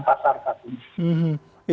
pasar saat ini